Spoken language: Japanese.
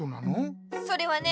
それはね